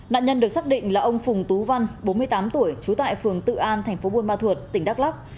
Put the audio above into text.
nạn nhân được xác định là ông phùng tú văn bốn mươi tám tuổi trú tại phường tự an thành phố buôn ma thuột tỉnh đắk lắc